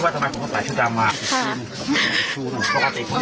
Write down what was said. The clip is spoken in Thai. แม่แม่ไปแล้วนะครับ